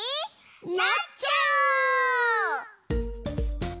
なっちゃおう！